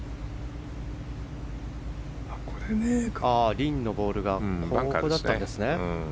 リンのボールがここだったんですね。